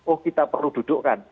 oh kita perlu dudukkan